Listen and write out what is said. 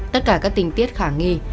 tất cả các tình tiết khả nghi